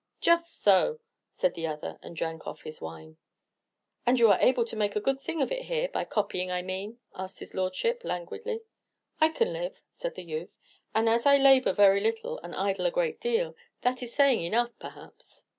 "Just so!" said the other, and drank off his wine. "And you are able to make a good thing of it here, by copying, I mean?" asked his Lordship, languidly. "I can live," said the youth; "and as I labor very little and idle a great deal, that is saying enough, perhaps."